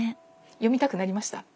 読みたくなりました？